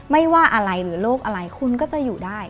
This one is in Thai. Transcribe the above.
ไม่ว่าอะไรหรือโรคอะไรคุณก็จะอยู่ได้